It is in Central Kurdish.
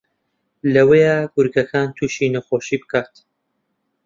لەوەیە گورگەکان تووشی نەخۆشی بکات